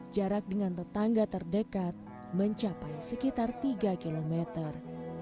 jarak dengan tetangga terdekat mencapai sekitar tiga kilometer